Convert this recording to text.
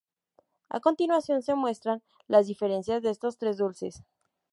A continuación se muestran las diferencias de estos tres dulces.